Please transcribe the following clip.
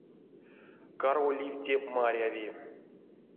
Карво ливти — маряви.